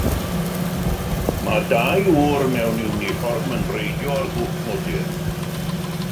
Mae dau ŵr mewn iwnifform yn reidio ar gwch modur.